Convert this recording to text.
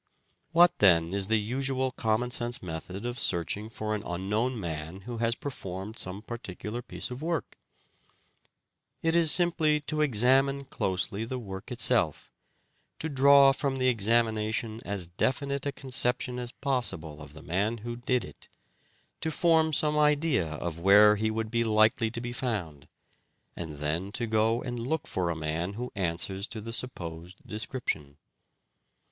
What then is the usual common sense method of searching for an unknown man who has performed some particular piece of work ? It is simply to examine closely the work itself, to draw from the examination as definite a conception as possible of the man who did it, to form some idea of where he would be likely to be found, and then to go and look for a man who answers to the supposed description.